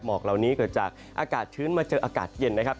กเหล่านี้เกิดจากอากาศชื้นมาเจออากาศเย็นนะครับ